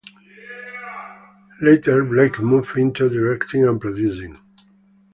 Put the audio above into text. Later Blake moved into directing and producing.